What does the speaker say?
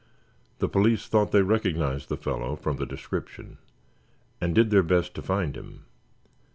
The police thought they recognized the fellow, from the description, and did their best to find him.